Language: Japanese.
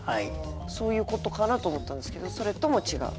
そういう事かなと思ったんですけどそれとも違う？